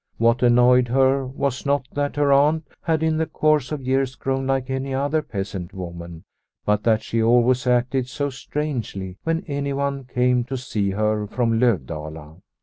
What annoyed her was not that her aunt had in the course of years grown like any other peasant woman, but that she always acted so strangely when anyone came to see her from Lovdala.